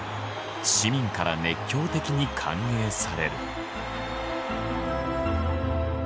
市民から熱狂的に歓迎される。